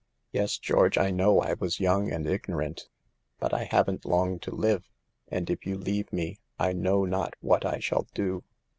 "Yes, George, I know I was young and ig norant. But I haven't long to live, and if you leave me I know not what I shall do."